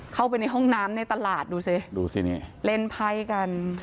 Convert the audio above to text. เข้าไปในห้องน้ำในตลาดดูสิดูสินี่เล่นไพ่กัน